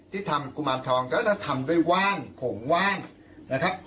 ที่ทำกุมารทองก็จะทำด้วยว่านผงว่านนะครับ